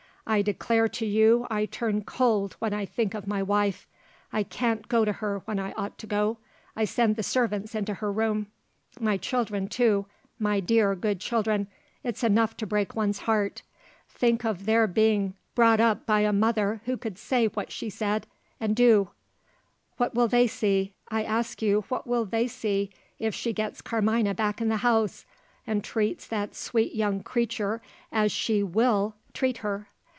I declare to you I turn cold when I think of my wife! I can't go to her when I ought to go I send the servants into her room. My children, too my dear good children it's enough to break one's heart think of their being brought up by a mother who could say what she said, and do What will they see, I ask you what will they see, if she gets Carmina back in the house, and treats that sweet young creature as she will treat her?